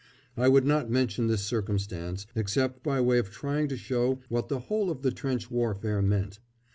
I would not mention this circumstance except by way of trying to show what the whole of the trench warfare meant.